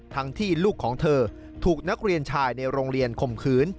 ที่ลูกของเธอถูกนักเรียนชายในโรงเรียนข่มขืน